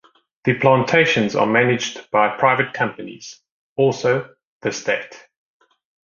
The plantations are managed by private companies also the state.